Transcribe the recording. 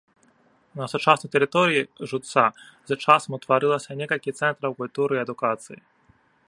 На сучаснай тэрыторыі жудца з часам утварылася некалькі цэнтраў культуры і адукацыі.